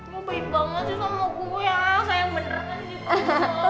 lo baik banget sih sama gue sayang beneran